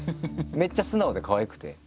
めっちゃ素直でかわいくて。